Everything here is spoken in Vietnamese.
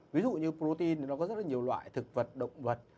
ví dụ như protein thì nó có rất là nhiều loại thực vật động vật